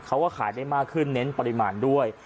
เขาก็ขายได้มากขึ้นเน้นปริมาณด้วย